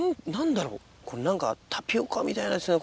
何かタピオカみたいですね。